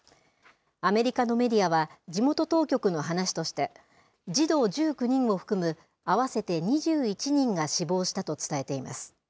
アメリカのメディアは、地元当局の話として、児童１９人を含む合わせて２１人が死亡したと伝えています。